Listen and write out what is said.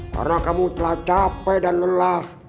karena kamu telah capek dan lelah